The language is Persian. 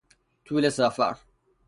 طول سفر